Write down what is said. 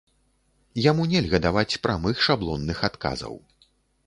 Яму нельга даваць прамых шаблонных адказаў.